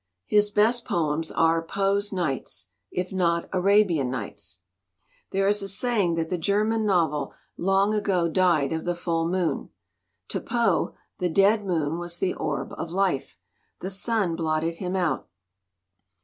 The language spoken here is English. His best poems are Poe's Nights, if not Arabian Nights. "There is a saying that the German novel long ago died of the full moon. To Poe the dead moon was the orb of life. The sun blotted him out."